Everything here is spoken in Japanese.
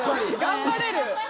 頑張れる！